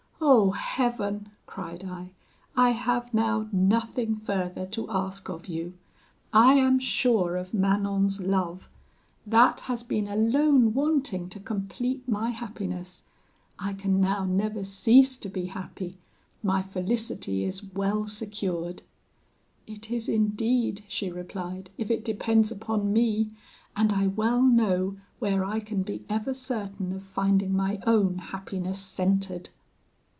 Oh Heaven!' cried I, 'I have now nothing further to ask of you. I am sure of Manon's love. That has been alone wanting to complete my happiness; I can now never cease to be happy: my felicity is well secured.' "'It is indeed,' she replied, 'if it depends upon me, and I well know where I can be ever certain of finding my own happiness centred.'